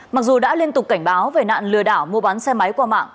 mặc dù đã liên tục cảnh báo về nạn lừa đảo mua bán xe máy qua mạng